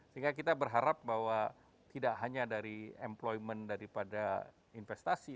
sehingga kita berharap bahwa tidak hanya dari employment daripada investasi